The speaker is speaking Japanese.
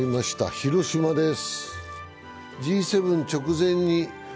広島です。